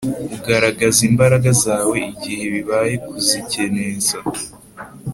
Ugaragaza imbaraga zawe, igihe bihaye kuzikerensa,